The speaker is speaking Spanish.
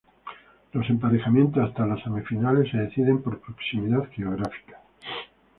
Los emparejamientos hasta las semifinales se deciden por proximidad geográfica.